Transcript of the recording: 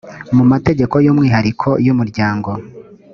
mu mategeko y umwihariko y umuryango